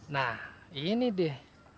nah ini dia